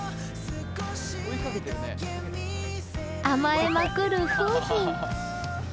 甘えまくる楓浜。